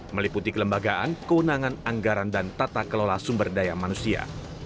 meliputi kelembagaan kewenangan anggaran dan tata kelola sumber daya manusia